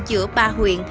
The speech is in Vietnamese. giữa ba huyện